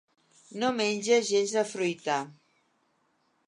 No menja gens de fruita.